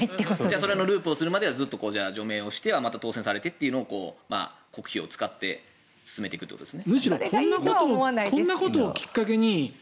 そのループをするまで除名をしては当選してというのを国費を使って続けていくということですね。